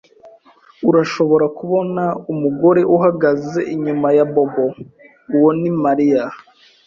Urashobora kubona umugore uhagaze inyuma ya Bobo? Uwo ni Mariya.